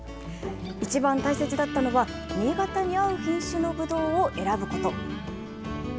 いちばん大切だったのは、新潟に合う品種のブドウを選ぶこと。